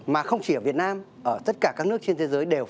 mà không chỉ ở việt nam ở tất cả các nước trên thế giới đều